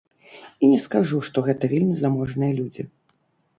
І не скажу, што гэта вельмі заможныя людзі.